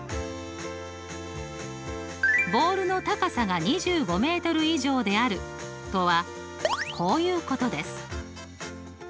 ボールの高さが２５以上であるとはこういうことです。